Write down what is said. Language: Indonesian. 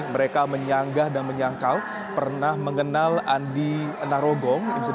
mereka menyanggah dan menyangkau pernah mengenal andi narogong